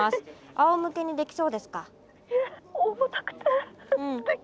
あおむけにできそうですか？